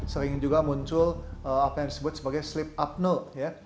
sering juga muncul apa yang disebut sebagai sleep upno ya